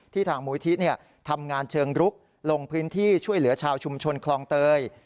ทางมูลิธิทำงานเชิงรุกลงพื้นที่ช่วยเหลือชาวชุมชนคลองเตย